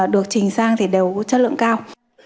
được trình sang thì đều chất lượng cao